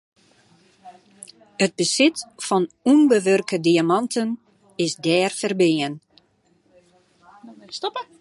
It besit fan ûnbewurke diamanten is dêr ferbean.